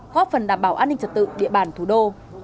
góp phần đảm bảo an ninh trật tự địa bàn thủ đô